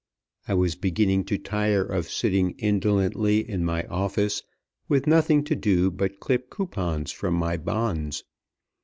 I was beginning to tire of sitting indolently in my office, with nothing to do but clip coupons from my bonds.